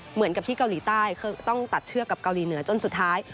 เหมือนกับที่เกาหลีใต้ต้องตัดเชือกกับเกาหลีเหนือจนสุดท้าย